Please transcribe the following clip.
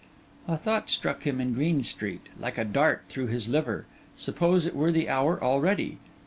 A thought struck him in Green Street, like a dart through his liver: suppose it were the hour already.